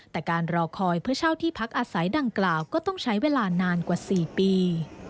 แต่การรอคอยเพื่อเช่าที่พักอาศัยดังกล่าวก็ต้องใช้เวลานานกว่า๔ปี